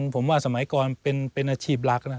ผมว่าสมัยก่อนเป็นอาชีพหลักนะ